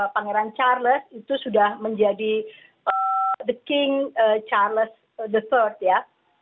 pangeran charles itu sudah menjadi the king charles the third ya